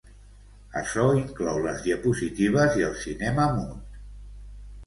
Açò inclou les diapositives i el cinema mut.